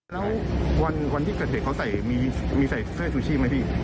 แล้ววันที่เกษตรเขาใส่มีใส่ข้าวซูชิไหมพี่